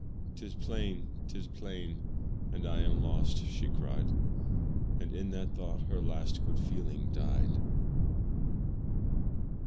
"'Tis plain! too plain! and I am lost," she cried; And in that thought her last good feeling died.